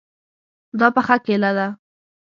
دا پخه کیله ده